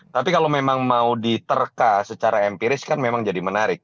tapi kalau memang mau diterka secara empiris kan memang jadi menarik